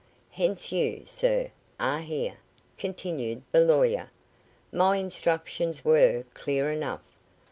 "Hence you, sir, are here," continued the lawyer. "My instructions were clear enough.